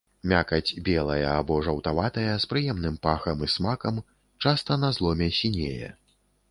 Мякаць белая або жаўтаватая з прыемным пахам і смакам, часта на зломе сінее.